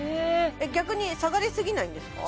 逆に下がりすぎないんですか？